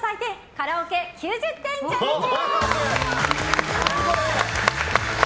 カラオケ９０点チャレンジ。